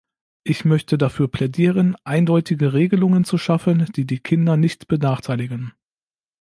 Ich möchte dafür plädieren, eindeutige Regelungen zu schaffen, die die Kinder nicht benachteiligen.